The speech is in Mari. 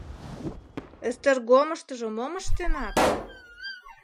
— Эстергомыштыжо мом ыштенат?